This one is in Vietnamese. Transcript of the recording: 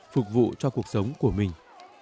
phục vụ cho cuộc sống của mình